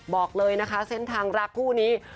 บอกเลยนะคะเส้นทางรักคู่นี้